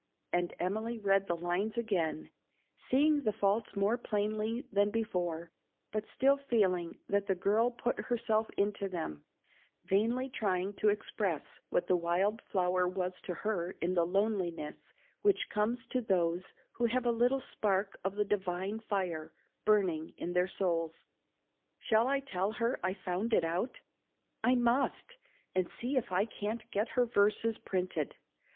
and Emily read the lines again, seeing the faults more plainly than before, but still feeling that the girl put herself into them, vainly trying to express what the wild flower was to her in the loneliness which comes to those who have a little spark of the divine fire burning in their souls. "Shall I tell her I've found it out? I must! and see if I can't get her verses printed.